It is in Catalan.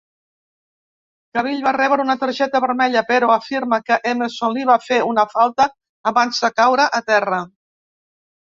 Cahill va rebre una targeta vermella, però afirma que Emerson li va fer una falta abans de caure a terra.